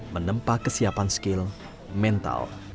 menempa kesiapan skill mental dan kemampuan